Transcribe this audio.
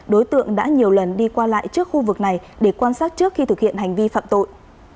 đối tượng đã nhiều lần đi qua lại trước khu vực này để quan sát trước khi thực hiện hành vi phạm tội